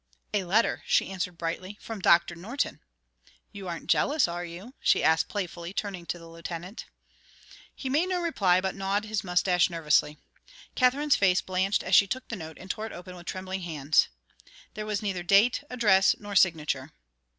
"A letter," she answered brightly, "from Doctor Norton! You aren't jealous, are you?" she asked playfully, turning to the Lieutenant. He made no reply, but gnawed his mustache nervously. Katherine's face blanched as she took the note and tore it open with trembling hands. There was neither date, address, nor signature.